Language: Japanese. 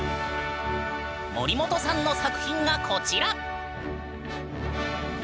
森本さんの作品がこちら。